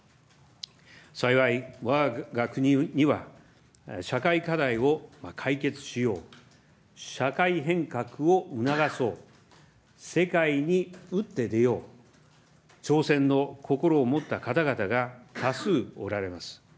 幸い、わが国には社会課題を解決しよう、社会変革を促そう、世界に打って出よう、挑戦の心を持った方々が多数おられます。